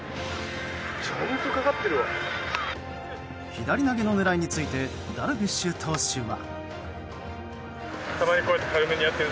左投げの狙いについてダルビッシュ投手は。